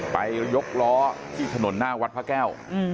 ไปยกล้อที่ถนนหน้าวัดพระแก้ว